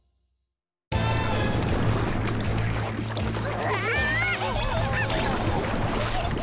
うわ！